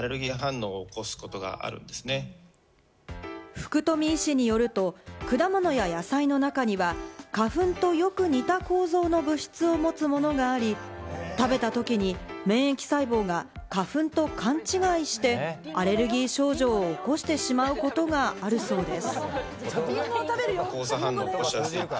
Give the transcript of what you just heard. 福冨医師によると、果物や野菜の中には花粉とよく似た構造の物質を持つものがあり、食べたときに免疫細胞が花粉と勘違いしてアレルギー症状を起こしてしまうことがあるそうです。